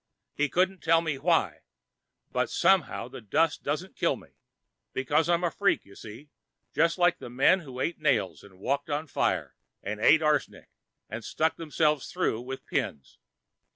He couldn't tell me why, but somehow the dust doesn't kill me. Because I'm a freak, you see, just like the men who ate nails and walked on fire and ate arsenic and stuck themselves through with pins.